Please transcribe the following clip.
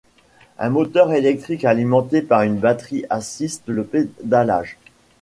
Un moteur électrique alimenté par une batterie assiste le pédalage.